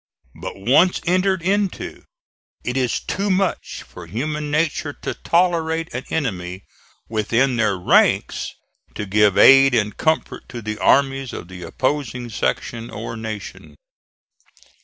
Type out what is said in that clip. But, once entered into, it is too much for human nature to tolerate an enemy within their ranks to give aid and comfort to the armies of the opposing section or nation.